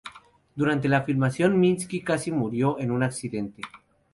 Durante la filmación Minsky casi murió en un accidente.